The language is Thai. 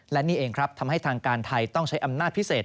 และนี่เองครับทำให้ทางการไทยต้องใช้อำนาจพิเศษ